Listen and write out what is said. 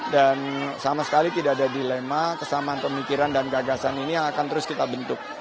dan sama sekali tidak ada dilema kesamaan pemikiran dan keagasan ini yang akan terus kita bentuk